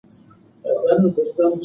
بخار د بدن یخ ساتلو لپاره اړین دی.